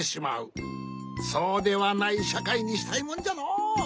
そうではないしゃかいにしたいもんじゃのう。